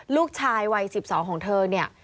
ลูกชายวัย๑๒ของเธอเนี่ย